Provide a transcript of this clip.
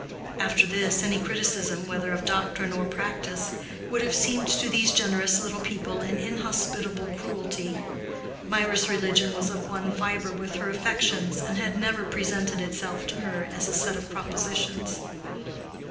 After this, any criticism, whether of doctrine or practice, would have seemed to these generous little people an inhospitable cruelty. Mirah's religion was of one fibre with her affections, and had never presented itself to her as a set of propositions.